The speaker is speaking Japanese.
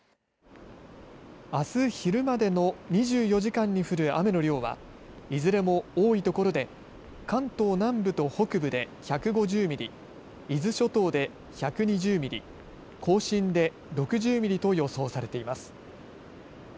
あす昼までの２４時間に降る雨の量はいずれも多いところで関東南部と北部で１５０ミリ、伊豆諸島で１２０ミリ、甲信で６０ミリと予想されています。